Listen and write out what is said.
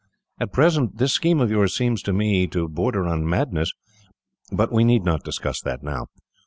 At present, this scheme of yours seems to me to border on madness. But we need not discuss that now.